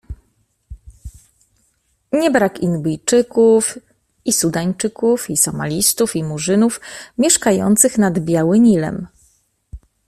Nie brak i Nubijczyków, i Sudańczyków, i Somalisów, i Murzynów mieszkających nad Biały Nilem.